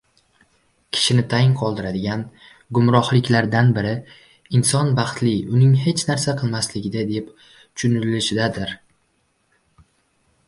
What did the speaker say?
Kishini tang qoldiradigan gumrohliklardan biri — inson baxti uning hech narsa qilmasligida, deb tushunilishidadir.